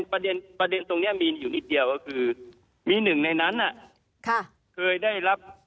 ประเด็นประเด็นตรงเนี้ยมีอยู่นิดเดียวก็คือมีหนึ่งในนั้นอ่ะค่ะเคยได้รับ